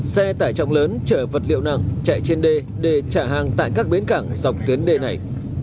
xe tải trọng lớn chở vật liệu nặng chạy trên đê để trả hàng tại các bến cảng dọc tuyến đê này